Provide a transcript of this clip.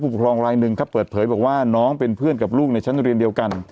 ปกครองรายหนึ่งครับเปิดเผยบอกว่าน้องเป็นเพื่อนกับลูกในชั้นเรียนเดียวกัน